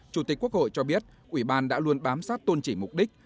chủ tịch quốc hội cho biết ủy ban đã luôn bám sát tôn trị mục đích